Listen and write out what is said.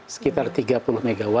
sekitar tiga puluh mw